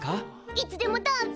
いつでもどうぞ！